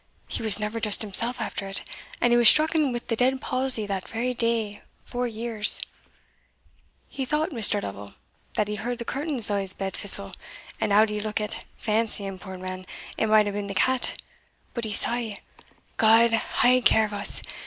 he was never just himsell after it, and he was strucken wi' the dead palsy that very day four years. He thought, Mr. Lovel, that he heard the curtains o' his bed fissil, and out he lookit, fancying, puir man, it might hae been the cat But he saw God hae a care o' us!